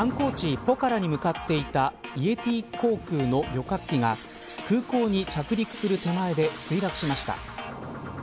ポカラに向かっていたイエティ航空の旅客機が空港に着陸する手前で墜落しました。